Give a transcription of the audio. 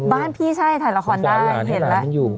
บ้านพี่ใช่ถ่ายละครได้เห็นแล้ว